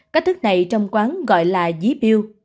cách thức này trong quán gọi là dí biêu